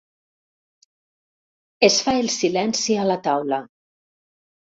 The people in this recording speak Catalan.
Es fa el silenci a la taula.